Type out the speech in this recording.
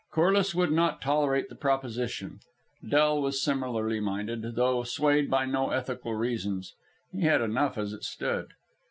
Corliss would not tolerate the proposition. Del was similarly minded, though swayed by no ethical reasons. He had enough as it stood.